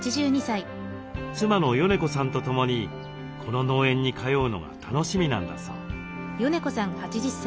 妻のヨネ子さんとともにこの農園に通うのが楽しみなんだそう。